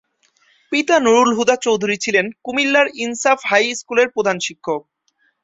পিতা নুরুল হুদা চৌধুরী ছিলেন কুমিল্লার ইনসাফ হাইস্কুলের প্রধান শিক্ষক।